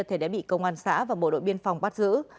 thể để bị công an xã và bộ đội biên phòng bắt giữ